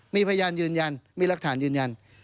มีพยานยืนยันมีรักฐานยืนยัน